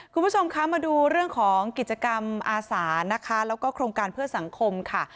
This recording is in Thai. คุณผู้ชมคะมาดูเรื่องของกิจกรรมอาสานะคะแล้วก็โครงการเพื่อสังคมค่ะ